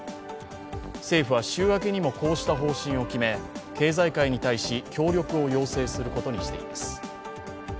政府は週明けにもこうした方針を決め、経済界に対し、協力を要請することにしています。